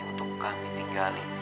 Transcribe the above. untuk kami tinggali